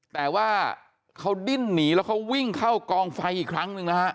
แต่ว่าเขาดิ้นหนีแล้วเขาวิ่งเข้ากองไฟอีกครั้งหนึ่งนะฮะ